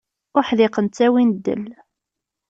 Uḥdiqen ttawin ddel.